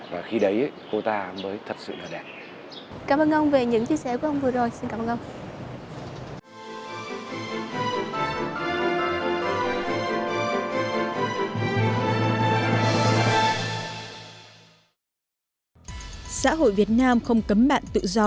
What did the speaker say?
và khi đấy cô ta mới